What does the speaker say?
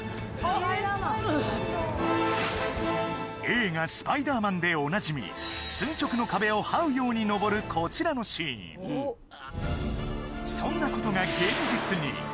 映画「スパイダーマン」でおなじみ垂直の壁をはうように登るこちらのシーンそんなことが現実に！